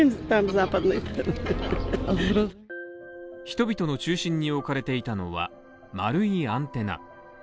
人々の中心に置かれていたのは丸いアンテナ。